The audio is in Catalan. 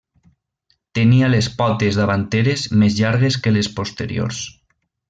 Tenia les potes davanteres més llargues que les posteriors.